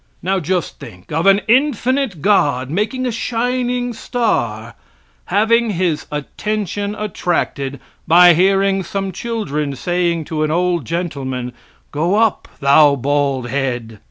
Now just think of an infinite God making a shining star, having his attention attracted by hearing some children saying to an old gentlemen, "Go up, thou bald head!"